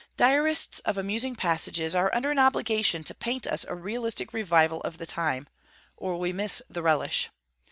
Diarists of amusing passages are under an obligation to paint us a realistic revival of the time, or we miss the relish.